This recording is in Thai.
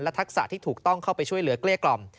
ทักษะที่ถูกต้องเข้าไปช่วยเหลือเกลี้ยกล่อม